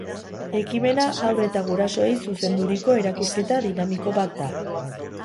Ekimena haur eta gurasoei zuzenduriko erakusketa dinamiko bat da.